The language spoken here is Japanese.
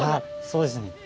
そうですね。